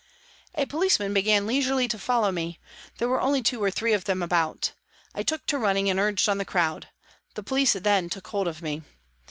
A policeman began leisurely to follow me; there were only two or three of them about. I took to running and urged on the crowd. The police then took hold of me.